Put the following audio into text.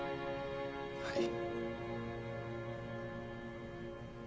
はい。